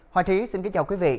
hòa trí xin kính chào quý vị